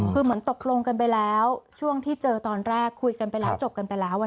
คือเหมือนตกลงกันไปแล้วช่วงที่เจอตอนแรกคุยกันไปแล้วจบกันไปแล้ว